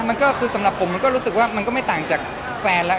มันก็คือสำหรับผมมันก็รู้สึกว่ามันก็ไม่ต่างจากแฟนแล้ว